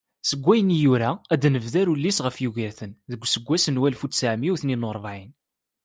Seg wayen i yura, ad d-nebder ullis ɣef Yugirten, deg useggas n walef u tesεemya u tnin u rebεin.